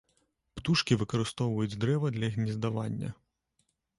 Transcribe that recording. Птушкі выкарыстоўваюць дрэва для гнездавання.